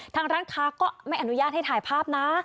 ทางร้านค้าก็ไม่อนุญาตให้ถ่ายภาพนะ